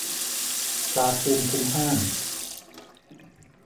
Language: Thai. ตราภูมิคุ้มห้าม